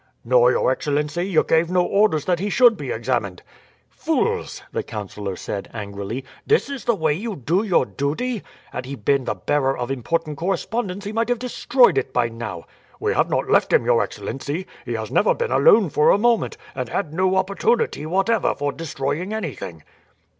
"No, your excellency. You gave no orders that he should be examined." "Fools!" the councillor said angrily; "this is the way you do your duty. Had he been the bearer of important correspondence he might have destroyed it by now." "We have not left him, your excellency. He has never been alone for a moment, and had no opportunity whatever for destroying anything."